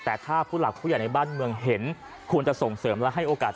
แต่ถ้าผู้หลักผู้ใหญ่ในบ้านเมืองเห็นควรจะส่งเสริมและให้โอกาส